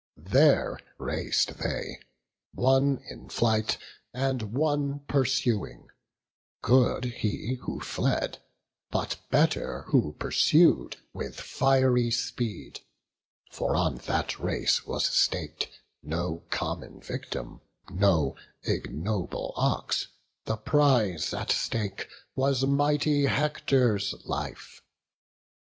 There rac'd they, one in flight, and one pursuing; Good he who fled, but better who pursu'd, With fiery speed; for on that race was stak'd No common victim, no ignoble ox: The prize at stake was mighty Hector's life.